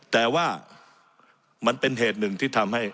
แต่ว่ามันเป็นเหตุหนึ่งที่ทำให้